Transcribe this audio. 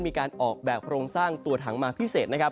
มีการออกแบบโครงสร้างตัวถังมาพิเศษนะครับ